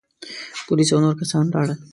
پوليس او نور کسان ولاړل.